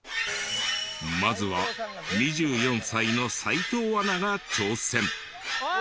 まずは２４歳の斎藤アナが挑戦。